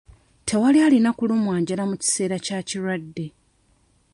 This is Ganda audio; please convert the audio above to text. Tewali alina kulumwa njala mu kiseera kya kirwadde.